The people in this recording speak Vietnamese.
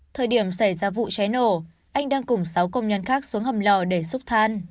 thời điểm xảy ra vụ cháy nổ anh đang cùng sáu công nhân khác xuống hầm lò để xúc than